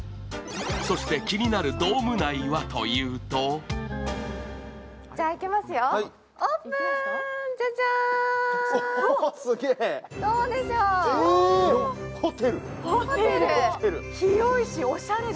そして、気になるドーム内はというとじゃあ、開けますよ、オープン、じゃじゃん。